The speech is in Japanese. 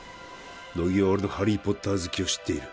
乃木は俺の「ハリー・ポッター」好きを知っている